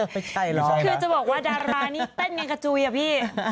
ไม่ใช่หรอกนะคือจะบอกว่าดารานี่เต้นอย่างกระจุยอ่ะพี่